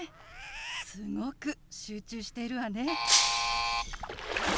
すごく集中しているわね。